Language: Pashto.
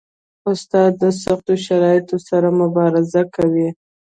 استاد د سختو شرایطو سره مبارزه کوي.